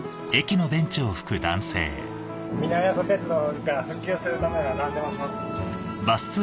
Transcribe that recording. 南阿蘇鉄道が復旧するためなら何でもします。